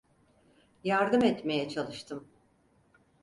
Yardım etmeye çalıştım.